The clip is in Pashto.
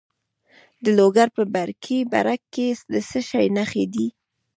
د لوګر په برکي برک کې د څه شي نښې دي؟